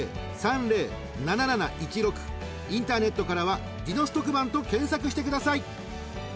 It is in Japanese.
［インターネットからは『ディノス特番』と検索してください］